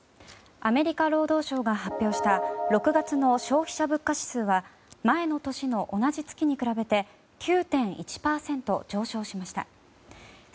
アメリカ労働省が発表した６月の消費者物価指数は前の年の同じ月に比べて９．１％上昇しました。